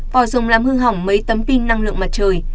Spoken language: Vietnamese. vòi dòng làm hư hỏng mấy tấm pin năng lượng mặt trời